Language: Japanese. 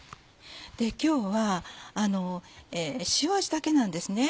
で今日は塩味だけなんです。